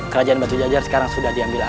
kerajaan batu jajar sekarang sudah diambil